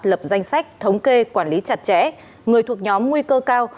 lập danh sách thống kê quản lý chặt chẽ người thuộc nhóm nguy cơ cao